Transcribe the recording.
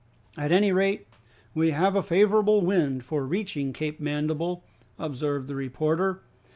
"At any rate we have a favorable wind for reaching Cape Mandible," observed the reporter.